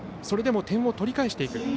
それでも点を取り返していく。